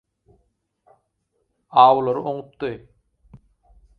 Awlary oňupdy.